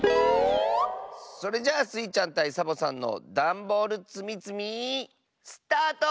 それじゃあスイちゃんたいサボさんのダンボールつみつみスタート！